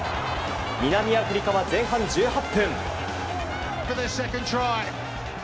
南アフリカは前半１８分。